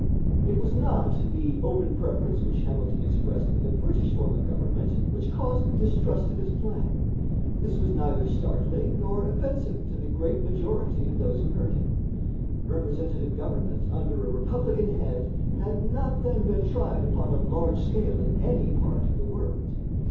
It was not the open preference which Hamilton expressed for the British form of government which caused distrust of his plan. This was neither startling nor offensive to the great majority of those who heard him. Representative government under a republican head had not then been tried upon a large scale in any part of the world.